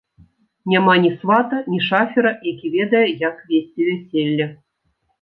Няма ні свата, ні шафера, які ведае, як весці вяселле.